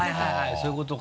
そういうことか。